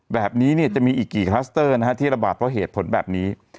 แบบนี้จะมีอีกกี่คลัสเตอร์ที่ระบาดเพราะเหตุผลแบบนี้